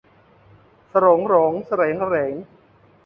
โสรงโหรงเสรงเหรง